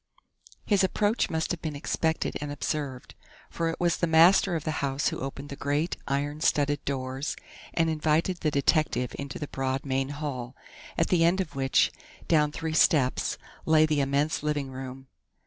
His approach must have been expected and observed, for it was the master of the house who opened the great, iron studded doors and invited the detective into the broad main hall, at the end of which, down three steps, lay the immense living room.